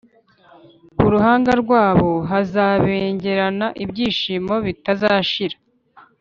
Ku ruhanga rwabo hazabengerana ibyishimo bitazashira,